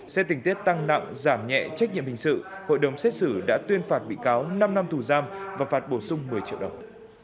xe tình tiết tăng nặng giảm nhẹ trách nhiệm hình sự hội đồng xét xử đã tuyên phạt bị cáo năm năm thù giam và phạt bổ sung một mươi triệu đồng